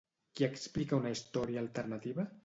Qui explica una història alternativa?